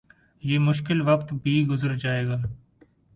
یہ مشکل وقت بھی گزر جائے گا